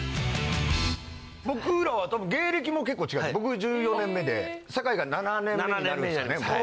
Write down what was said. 僕らは芸歴も結構違う僕１４年目で酒井が７年目になるんですかね。